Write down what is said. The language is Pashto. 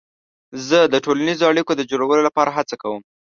زه د ټولنیزو اړیکو د جوړولو لپاره هڅه کوم.